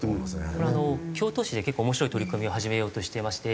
これあの京都市で結構面白い取り組みを始めようとしていまして。